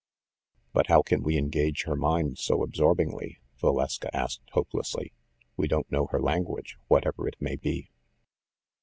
"But how can we engage her mind so absorbingly ?" Valeska asked hopelessly. "We don't know her lan guage, whatever it may be."